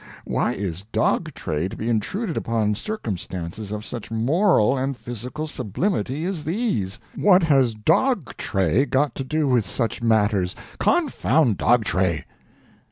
Why is Dog Tray to be intruded upon circumstances of such moral and physical sublimity as these? What has Dog Tray got to do with such matters? Confound Dog Tray!